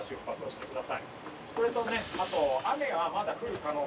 それとねあと雨がまだ降る可能性